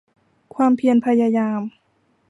ความเพียรพยายาม